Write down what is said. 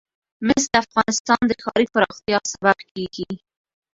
مس د افغانستان د ښاري پراختیا سبب کېږي.